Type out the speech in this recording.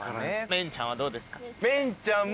メンちゃんはどうですか？